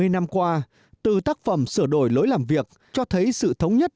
hai mươi năm qua từ tác phẩm sửa đổi lối làm việc cho thấy sự thống nhất